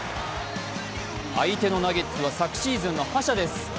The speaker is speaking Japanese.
相手のナゲッツは昨シーズンの覇者です。